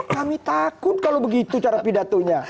kami takut kalau begitu cara pidatonya